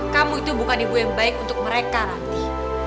kamu itu bukan ibu yang baik untuk mereka nanti